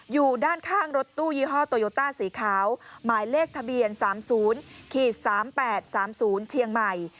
อยู่ด้านข้างรถตู้ยี่ห้อโตโยต้าสีขาวหมายเลขทะเบียนสามศูนย์ขีดสามแปดสามศูนย์เทียงใหม่